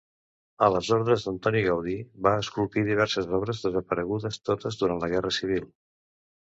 A les ordres d'Antoni Gaudí, va esculpir diverses obres, desaparegudes totes durant la Guerra Civil.